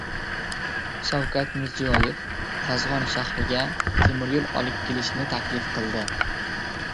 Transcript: Shavkat Mirziyoyev G‘azg‘on shaharchasiga temir yo‘l olib kelishni taklif qildi